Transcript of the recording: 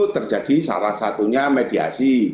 terjadi salah satunya mediasi